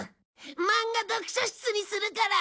漫画読書室にするから。